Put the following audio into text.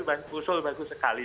bang kusul bagus sekali